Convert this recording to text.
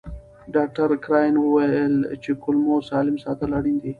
ډاکټر کراین وویل چې کولمو سالم ساتل اړین دي.